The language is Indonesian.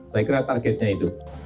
saya kira targetnya itu